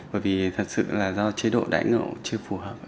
bởi vì thật sự là do chế độ đại ngộ chưa phù hợp